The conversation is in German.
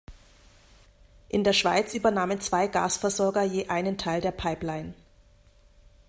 In der Schweiz übernahmen zwei Gasversorger je einen Teil der Pipeline.